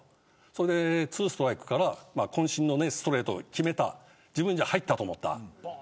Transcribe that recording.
そして、ツーストライクからこん身のストレートを決めた自分では入ったと思った。